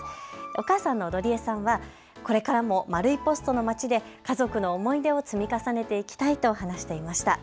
お母さんの路里絵さんはこれからも丸いポストのまちで家族の思い出を積み重ねていきたいと話していました。